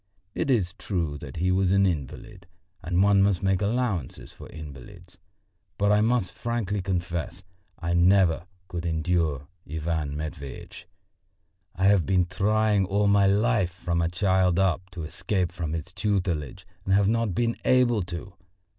It is true that he was an invalid and one must make allowances for invalids; but I must frankly confess, I never could endure Ivan Matveitch. I have been trying all my life, from a child up, to escape from his tutelage and have not been able to!